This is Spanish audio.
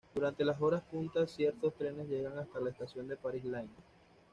Durante las horas puntas ciertos trenes llegan hasta la estación de Paris-Lyon.